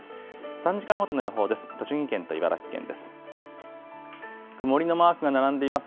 ３時間ごとの予報です。